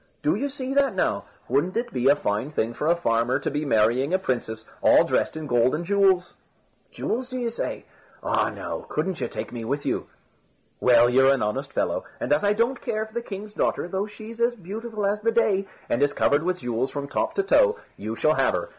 "Do you see that now! Wouldn't it be a fine thing for a farmer to be marrying a princess, all dressed in gold and jewels?" "Jewels, do you say? Ah, now, couldn't you take me with you?" "Well, you're an honest fellow, and as I don't care for the king's daughter, though she's as beautiful as the day, and is covered with jewels from top to toe, you shall have her.